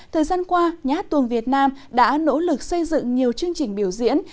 thời gian qua nhát tuồng việt nam đã nỗ lực xây dựng nhiều chương trình biểu diễn